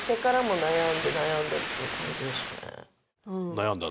悩んだ？